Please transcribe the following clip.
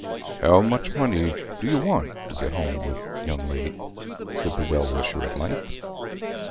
"How much money do you want to get home with, young woman?" said the well wisher, at length.